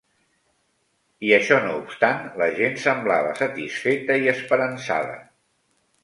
I, això no obstant, la gent semblava satisfeta i esperançada.